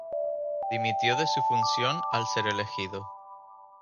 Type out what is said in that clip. Dimitió de su función al ser elegido.